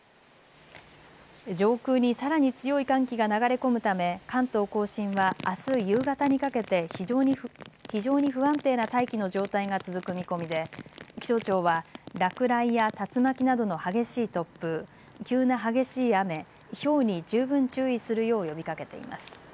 上空にさらに強い寒気が流れ込むため、関東甲信はあす夕方にかけて非常に不安定な大気の状態が続く見込みで気象庁は落雷や竜巻などの激しい突風、急な激しい雨、ひょうに十分注意するよう呼びかけています。